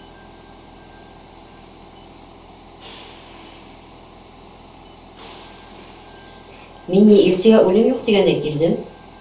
Мин ни, илсегә үлем юҡ тигәндәй, килдем.